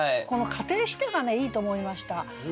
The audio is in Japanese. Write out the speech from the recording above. この「仮定して」がねいいと思いました。